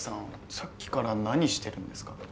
さっきから何してるんですか？